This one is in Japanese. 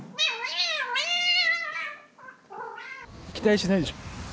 期待しないでしょ。